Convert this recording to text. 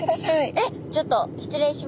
えっちょっと失礼します。